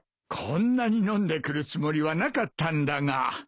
こんなに飲んでくるつもりはなかったんだが。